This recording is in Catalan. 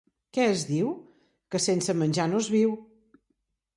Què es diu? —Que sense menjar no es viu.